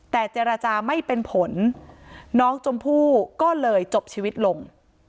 แต่เจรจาไม่เป็นผลน้องชมพู่ก็เลยจบชีวิตลง